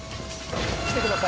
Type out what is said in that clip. きてください。